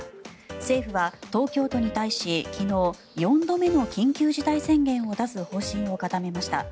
政府は東京都に対し昨日４度目の緊急事態宣言を出す方針を固めました。